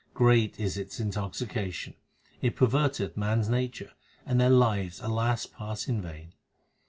great is its intoxication, it perverteth men s natures, and their lives, alas ! pass in vain.